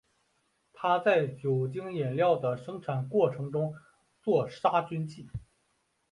它在酒精饮料的生产过程中用作杀菌剂。